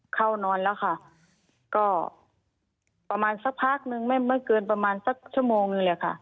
เข้านอนแล้วค่ะก็ประมาณสักพักนึงไม่ไม่เกินประมาณสักชั่วโมงนึงแหละค่ะ